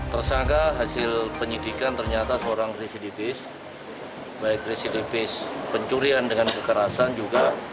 tersangka hasil penyidikan ternyata seorang residivis baik residivis pencurian dengan kekerasan juga